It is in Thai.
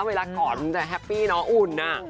เวลาก่อนมันจะแฮปปี้เนอะอุ่นอ่ะ